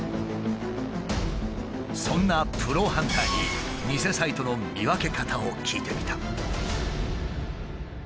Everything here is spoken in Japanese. そんなプロハンターに偽サイトの見分け方を聞いてみた。